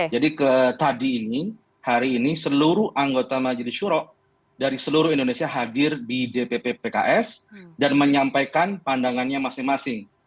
jadi ke tadi ini hari ini seluruh anggota majelis syurok dari seluruh indonesia hadir di dpp pks dan menyampaikan pandangannya masing masing